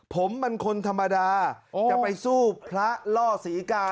ผมมันคนธรรมดาจะไปสู้พระล่อศรีกา